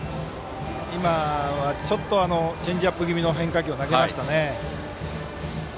今は、ちょっとチェンジアップ気味の変化球を投げましたね。